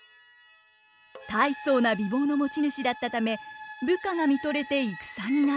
大層な美貌の持ち主だったため部下が見とれて戦にならず。